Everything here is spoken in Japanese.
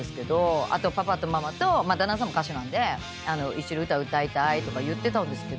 あとパパとママと旦那さんも歌手なんで一緒に歌歌いたいとか言ってたんですけど。